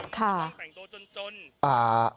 ค่ะ